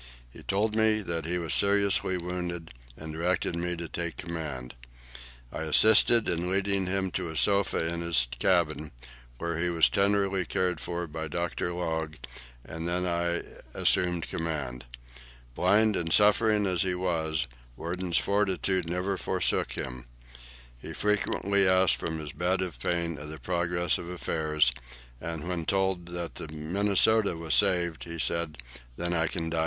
He told me that he was seriously wounded, and directed me to take command. I assisted in leading him to a sofa in his cabin, where he was tenderly cared for by Dr. Logue, and then I assumed command. Blind and suffering as he was, Worden's fortitude never forsook him; he frequently asked from his bed of pain of the progress of affairs, and when told that the 'Minnesota' was saved, he said, 'Then I can die happy!'"